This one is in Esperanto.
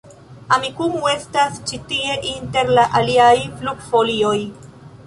Amikumu estas ĉi tie inter la aliaj flugfolioj